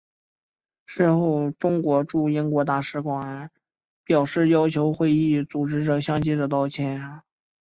事后中国驻英国大使馆表示要求会议组织者向记者道歉。